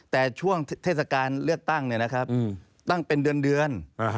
แต่ช่วงเทศกาลเลือกตั้งเนี่ยนะครับตั้งเป็นเดือน